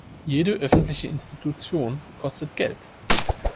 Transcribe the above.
Jede öffentliche Institution kostet Geld.